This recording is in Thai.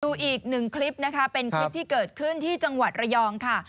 อีกหนึ่งคลิปนะคะเป็นคลิปที่เกิดขึ้นที่จังหวัดระยองค่ะ